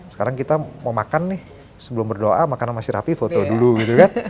sekarang kita mau makan nih sebelum berdoa makanan masih rapi foto dulu gitu kan